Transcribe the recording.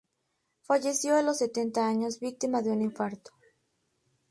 Falleció a los setenta años, víctima de un infarto.